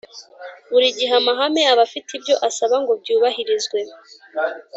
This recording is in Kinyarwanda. buri gihe amahame aba afite ibyo asaba ngo byubahirizwe